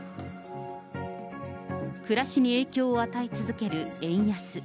暮らしに影響を与え続ける円安。